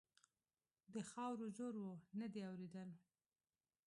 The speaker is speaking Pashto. د خاورو زور و؛ نه دې اورېدل.